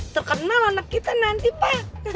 terkenal anak kita nanti pa